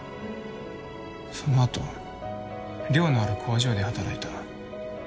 その後寮のある工場で働いた。